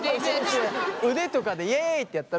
腕とかで「イエイ」ってやった時でしょ。